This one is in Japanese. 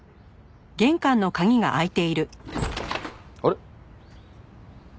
あれ？